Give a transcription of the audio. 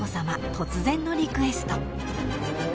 突然のリクエスト］